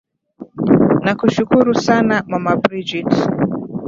nakushukuru sana mama bridgit